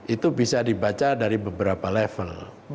itu bisa dibaca dari beberapa level